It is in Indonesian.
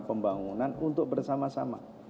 pembangunan untuk bersama sama